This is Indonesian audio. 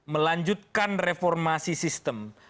melanjutkan reformasi sistem